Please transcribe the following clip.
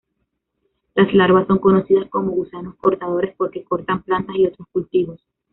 Las larvas son conocidas como gusanos cortadores porque cortan plantas y otros cultivos.